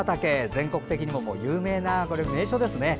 全国的にも有名な名所ですね。